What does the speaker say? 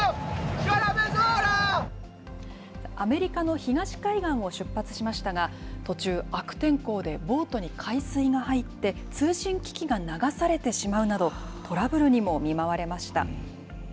アメリカの東海岸を出発しましたが、途中、悪天候でボートに海水が入って、通信機器が流されてしまうなど、トラブルにも見舞われました。